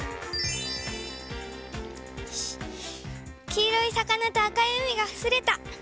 黄色い魚と赤い海が刷れた。